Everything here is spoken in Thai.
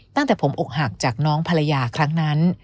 ตั้งแต่ผมอกหักจากน้องภรรยาครั้งนั้น